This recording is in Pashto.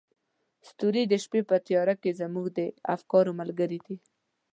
ستوري د شپې په تیاره کې زموږ د افکارو ملګري دي.